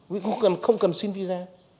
vì cũng không cần xin visa